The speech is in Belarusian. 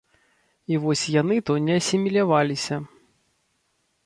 І вось яны то не асіміляваліся.